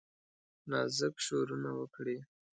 نازک شورونه وکړي